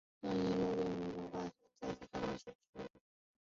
大叶冷水花为荨麻科冷水花属的植物。